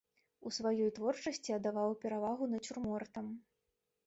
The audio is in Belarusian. У сваёй творчасці аддаваў перавагу нацюрмортам.